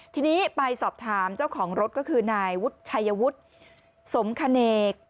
ทีนี้ไปสอบถามเจ้าของรถก็คือนายวุฒิชัยวุฒิสมคเนก